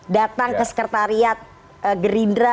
datang ke sekretariat gerindra